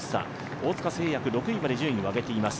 大塚製薬、６位まで順位を上げています。